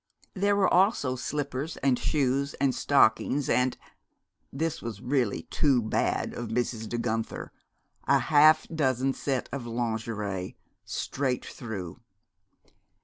There were also slippers and shoes and stockings and this was really too bad of Mrs. De Guenther a half dozen set of lingerie, straight through.